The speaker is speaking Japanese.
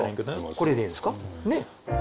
これでいいですかねっ！